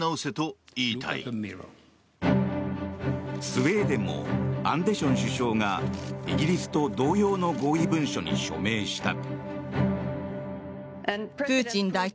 スウェーデンもアンデション首相がイギリスと同様の合意文書に署名した。